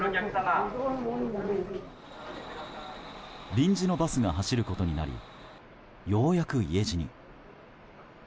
臨時のバスが走ることになりようやく家路に。